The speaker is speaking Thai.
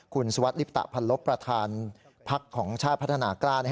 คุณสุวัสดิลิปตะพันลบประธานพักของชาติพัฒนากล้า